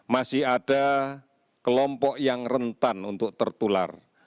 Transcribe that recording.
masih ada kelompok yang rentan untuk tertular